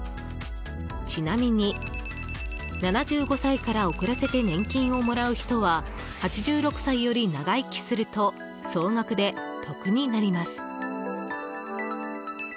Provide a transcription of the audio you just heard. ちなみに、７５歳から遅らせて年金をもらう人は８６歳より長生きすると総額で得になります。